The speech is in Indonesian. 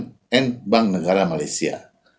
dan bank negara malaysia